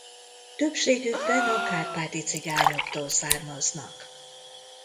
Többségükben a kárpáti cigányoktól származnak.